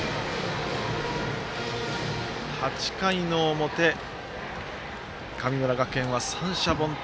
８回の表、神村学園は三者凡退。